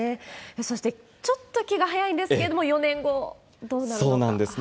そして、ちょっと気が早いんですけれども、４年後、そうなんですね。